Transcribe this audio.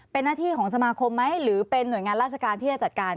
เป็นหน้าที่ของสมาคมไหมหรือเป็นหน่วยงานราชการที่จะจัดการ